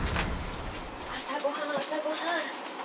朝ご飯朝ご飯。